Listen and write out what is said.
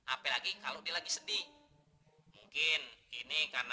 apalagi kalau dia lagi sedih mungkin ini karena